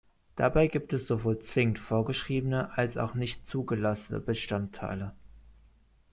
Dabei gibt es sowohl zwingend vorgeschriebene als auch nicht zugelassene Bestandteile.